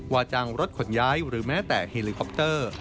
ว่าจ้างรถขนย้ายหรือแม้แต่เฮลิคอปเตอร์